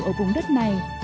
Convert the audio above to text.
ở vùng đất này